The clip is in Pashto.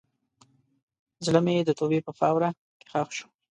زړه مې د توبې په خاوره کې ښخ شو.